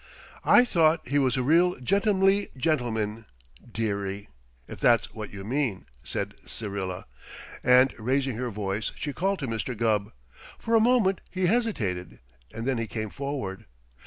"I thought he was a real gentlem'nly gentlemun, dearie, if that's what you mean," said Syrilla; and raising her voice she called to Mr. Gubb. For a moment he hesitated, and then he came forward.